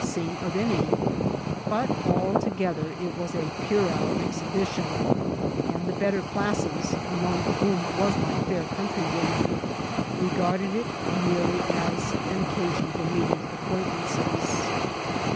801 scene of any ; but altogether it was a puerile exhibi* tion, and the better classes, among whom was my fair countrywoman, regarded it merely as an occasion for meeting acquaintances.